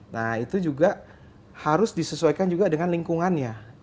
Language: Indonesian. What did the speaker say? nah itu juga harus disesuaikan juga dengan lingkungannya